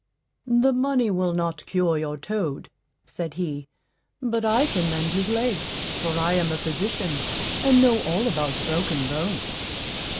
"The money will not cure your toad," said he; "but I can mend his leg, for I am a physician, and know all about broken bones."